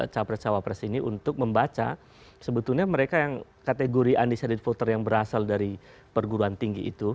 capres cawapres ini untuk membaca sebetulnya mereka yang kategori undecided voter yang berasal dari perguruan tinggi itu